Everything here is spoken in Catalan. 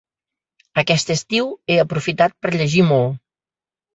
Aquest estiu he aprofitat per llegir molt.